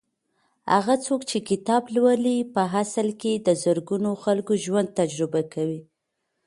هغه څوک چې کتاب لولي په اصل کې د زرګونو خلکو ژوند تجربه کوي.